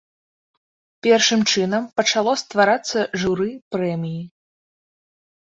Першым чынам пачало стварацца журы прэміі.